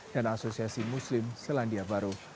dan asosiasi muslim selandia baru